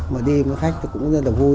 mà đi với khách nó cũng rất là vui